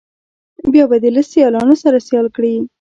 بیا به دې له سیالانو سره سیال کړي.